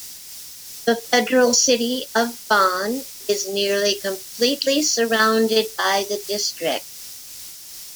The federal city of Bonn is nearly completely surrounded by the district.